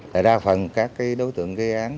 tại ra phần các đối tượng gây án